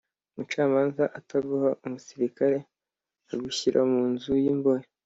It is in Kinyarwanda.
umucamanza ataguha umusirikare akagushyira mu nzu y’imbohe